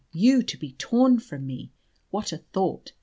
you to be torn from me. What a thought!